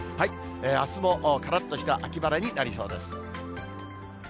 あすもからっとした秋晴れになりそうです。